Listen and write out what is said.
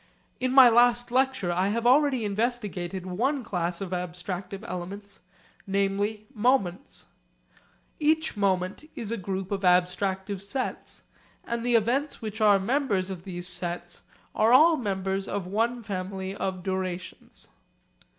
In my last lecture I have already investigated one class of abstractive elements, namely moments. Each moment is a group of abstractive sets, and the events which are members of these sets are all members of one family of durations.